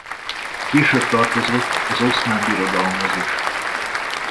Később tartozott az Oszmán Birodalomhoz is.